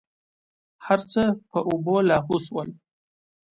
هرڅه په اوبو لاهو سول.